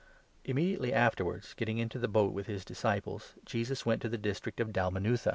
Immediately afterwards, 10 getting into the boat with his disciples, Jesus went to the district of Dalmanutha.